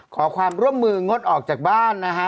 ขอความร่วมมืองดออกจากบ้านนะฮะ